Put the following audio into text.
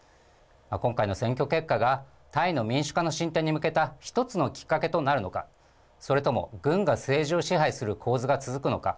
今回の選挙結果がタイの民主化の進展に向けた１つのきっかけとなるのか、それとも軍が政治を支配する構図が続くのか。